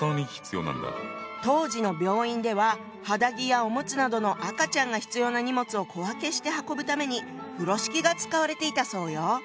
当時の病院では肌着やおむつなどの赤ちゃんが必要な荷物を小分けして運ぶために風呂敷が使われていたそうよ。